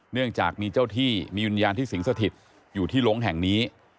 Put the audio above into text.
เนื่องจากมีเจ้าที่มีวิญญาณที่สิงสถิตอยู่ที่ลงแห่งนี้